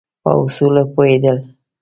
په اصولو پوهېدل.